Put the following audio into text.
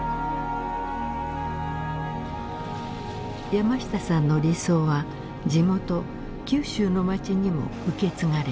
山下さんの理想は地元九州の町にも受け継がれています。